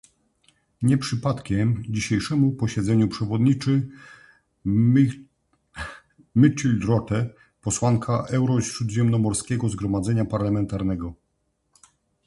Nie przypadkiem dzisiejszemu posiedzeniu przewodniczy Mechtild Rothe, posłanka do Eurośródziemnomorskiego Zgromadzenia Parlamentarnego